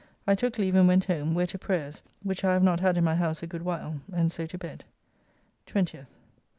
I took leave and went home, where to prayers (which I have not had in my house a good while), and so to bed. 20th.